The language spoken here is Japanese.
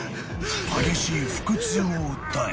［激しい腹痛を訴え］